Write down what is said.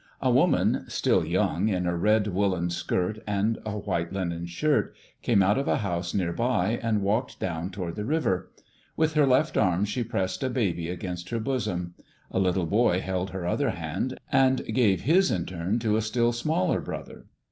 A woman, still young, in a red woollen skirt and a white linen shirt, came out of a house near by, and walked down toward the river. With her left arm she pressed a baby against her bosom. A little boy held her other hand, and gave his in turn to a still smaller brother.